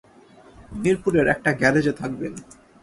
মিরপুরের একটা গ্যারেজে থাকবেন।